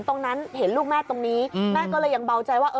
ตรงนั้นเห็นลูกแม่ตรงนี้แม่ก็เลยยังเบาใจว่า